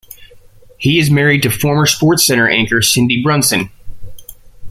He is married to former SportsCenter anchor Cindy Brunson.